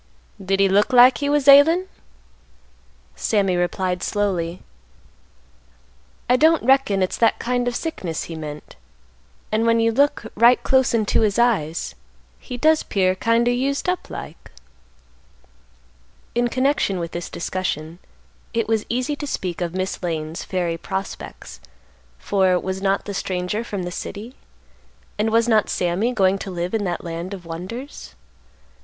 "Did he look like he was ailin'?" Sammy replied slowly, "I don't reckon it's that kind of sickness he meant; and when you look right close into his eyes, he does 'pear kind o' used up like." In connection with this discussion, it was easy to speak of Miss Lane's fairy prospects, for, was not the stranger from the city? and was not Sammy going to live in that land of wonders?